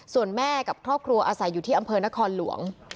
ส่วนแม่กับครอบครัวอาศัยอยู่ที่อำเภอนครหลวง